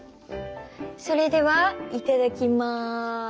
それではいただきま。